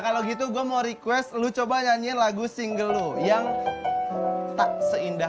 kalau gitu gua mau request lu coba nyanyi lagu single yang tak seindah